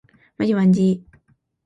まじまんじ